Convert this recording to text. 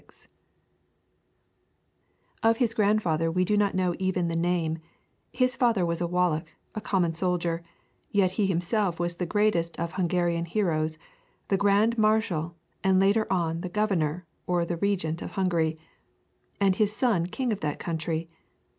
[TN]] Of his grandfather we do not know even the name; his father was a Wallach, a common soldier; yet he himself was the greatest of Hungarian heroes, the Grand Marshal, and later on the "Governor" or Regent of Hungary; and his son king of that country.